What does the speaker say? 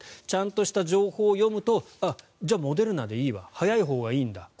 ちゃんとした情報を読むとモデルナでいいわ早いほうがいいんだ